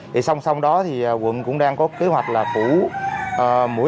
thì song song đó thì quận cũng đang có kế hoạch là tiêm đợt một